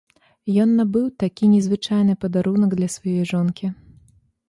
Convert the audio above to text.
Ён набыў такі незвычайны падарунак для сваёй жонкі.